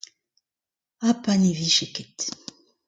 ha pa ne vije ket !